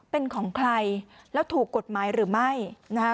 เป็นของใครแล้วถูกกฎหมายหรือไม่นะคะ